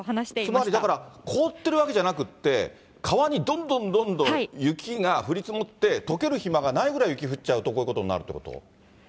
つまりだから、凍ってるわけじゃなくって、川にどんどんどんどん雪が降り積もって、とける暇がないぐらい雪降っちゃうと、こういうことになるっていうこと？